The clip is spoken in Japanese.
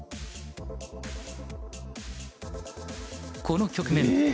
この局面